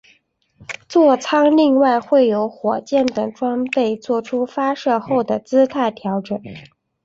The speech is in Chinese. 坐舱另外会有火箭等装备作出发射后的姿态调整。